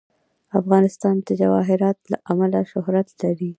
افغانستان د جواهرات له امله شهرت لري.